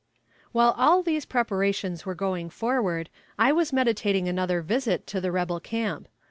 While all these preparations were going forward, I was meditating another visit to the rebel camp.